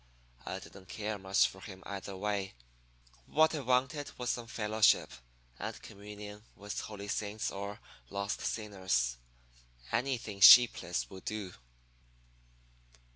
I didn't care much for him either way; what I wanted was some fellowship and communion with holy saints or lost sinners anything sheepless would do.